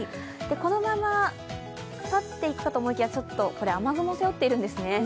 このまま去っていったと思いきや、雨雲を背負っているんですね。